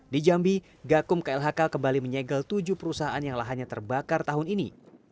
di jambi gakum klhk kembali menyegel tujuh perusahaan yang lahannya terbakar tahun ini